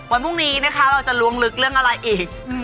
วันพรุ่งนี้นะคะเราจะล้วงลึกเรื่องอะไรอีก